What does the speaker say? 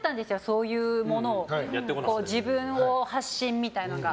そういうもの自分を発信みたいなのが。